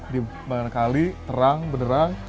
di bagian kali terang benderang